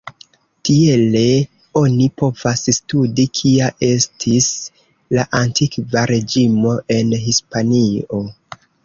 Tiele oni povas studi kia estis la Antikva Reĝimo en Hispanio.